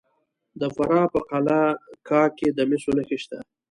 د فراه په قلعه کاه کې د مسو نښې شته.